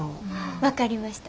分かりました。